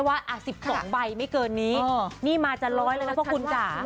ถัดผิดแค่ว่า๑๒ใบไม่เกินนี้นี่มาจะร้อยแล้วนะเพราะคุณจ๋า